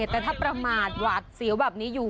แต่ถ้าประมาทหวาดเสียวแบบนี้อยู่